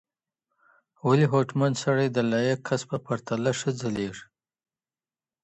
ولي هوډمن سړی د لایق کس په پرتله ښه ځلېږي؟